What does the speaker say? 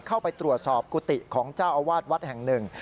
เข้าไปตรวจสอบกุฏิของเจ้าอาวาสวัดแห่งหนึ่ง